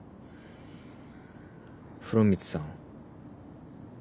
風呂光さん